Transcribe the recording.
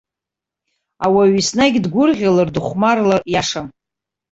Ауаҩ еснагь дгәырӷьалар, дыхәмарлар иашам.